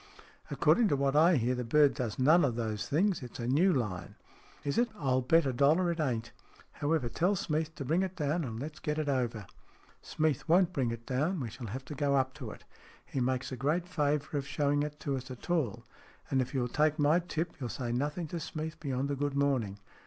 " According to what I hear, the bird does none of those things. It's a new line." " Is it ? I'll bet a dollar it ain't. However, tell Smeath to bring it down, and let's get it over." "Smeath won't bring it down. We shall have to go up to it. He makes a great favour of show ing it to us at all. And, if you will take my tip, you'll say nothing to Smeath beyond a good morning.